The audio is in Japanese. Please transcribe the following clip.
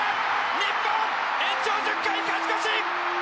日本、延長１０回勝ち越し！